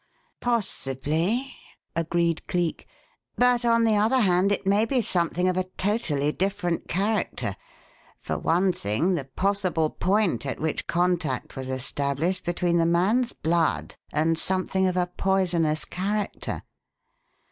"Possibly," agreed Cleek, "but on the other hand, it may be something of a totally different character for one thing, the possible point at which contact was established between the man's blood and something of a poisonous character.